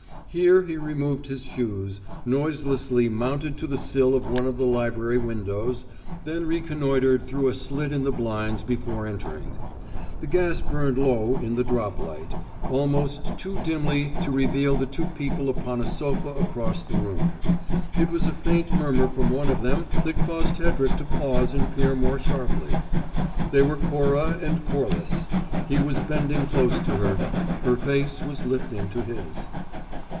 Here he removed his shoes, noiselessly mounted to the sill of one of the library windows, then reconnoitred through a slit in the blinds before entering. The gas burned low in the "drop light" almost too dimly to reveal the two people upon a sofa across the room. It was a faint murmur from one of them that caused Hedrick to pause and peer more sharply. They were Cora and Corliss; he was bending close to her; her face was lifting to his.